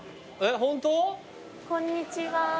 こんにちは。